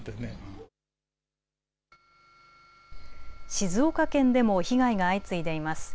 静岡県でも被害が相次いでいます。